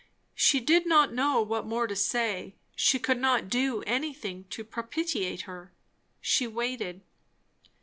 She did not know what more to say; she could not do anything to propitiate her. She waited.